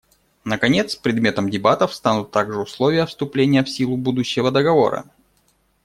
Наконец, предметом дебатов станут также условия вступления в силу будущего договора.